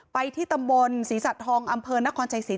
ที่ตำบลศรีสัตว์ทองอำเภอนครชัยศรี